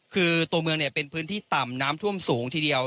คือตัวเมืองเป็นพื้นที่ต่ำน้ำท่วมสูงทีเดียว